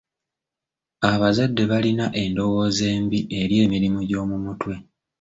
Abazadde balina endowooza embi eri emirimu gy'omu mutwe.